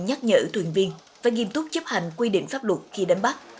nhờ ưu thuyền viên và nghiêm túc chấp hành quy định pháp luật khi đánh bắt